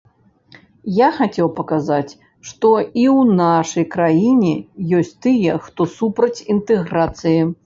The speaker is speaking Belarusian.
Я хацеў паказаць, што і ў нашай краіне ёсць тыя, хто супраць інтэграцыі.